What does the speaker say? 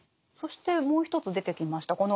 そしてもう一つ出てきました